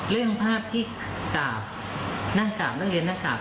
เรื่องภาพที่นั่งกราบนั่งเรียนนั่งกราบ